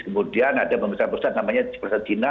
kemudian ada penyakit prostat namanya prostat gina